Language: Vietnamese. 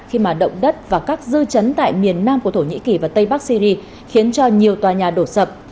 khi mà động đất và các dư chấn tại miền nam của thổ nhĩ kỳ và tây bắc syri khiến cho nhiều tòa nhà đổ sập